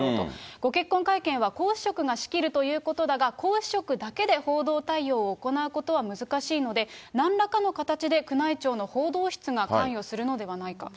ご結婚会見は皇嗣職が仕切るということだが、皇嗣職だけで報道対応を行うことは難しいので、なんらかの形で、宮内庁の報道室が関与するのではないか。